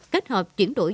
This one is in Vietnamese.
kết hợp chuyển đổi